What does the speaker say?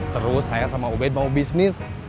terus saya sama ubed mau bisnis